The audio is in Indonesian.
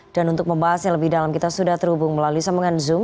dan untuk membahas yang lebih dalam kita sudah terhubung melalui semengan zoom